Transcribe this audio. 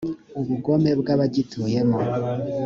ubugome bw abagituyemo